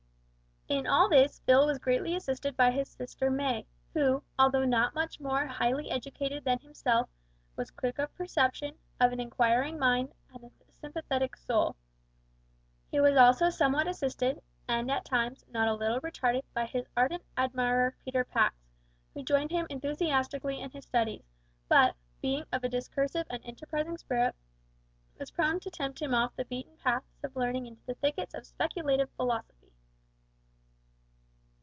In all this Phil was greatly assisted by his sister May, who, although not much more highly educated than himself, was quick of perception, of an inquiring mind, and a sympathetic soul. He was also somewhat assisted, and, at times, not a little retarded, by his ardent admirer Peter Pax, who joined him enthusiastically in his studies, but, being of a discursive and enterprising spirit, was prone to tempt him off the beaten paths of learning into the thickets of speculative philosophy.